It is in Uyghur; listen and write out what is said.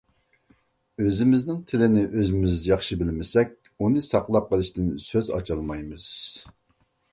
ئۆزىمىزنىڭ تىلىنى ئۆزىمىز ياخشى بىلمىسەك، ئۇنى ساقلاپ قېلىشتىن سۆز ئاچالمايمىز.